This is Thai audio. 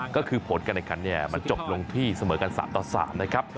ก็คือผลการแข่งขันมันจบลงที่เสมอกัน๓ต่อ๓นะครับ